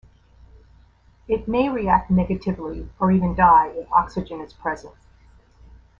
It may react negatively or even die if oxygen is present.